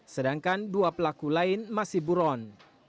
sedangkan dua pelaku lain masih buron